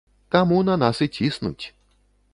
Таму на нас і ціснуць.